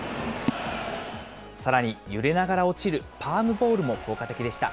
さらに揺れながら落ちるパームボールも効果的でした。